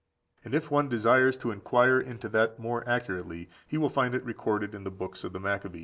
And if one desires to inquire into that more accurately, he will find it recorded in the books of the Maccabees.